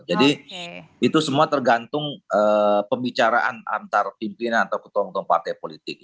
jadi itu semua tergantung pembicaraan antara pimpinan atau ketua ketua partai politik